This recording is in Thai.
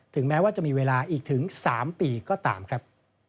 แม้ว่าจะมีเวลาอีกถึง๓ปีก็ตามครับ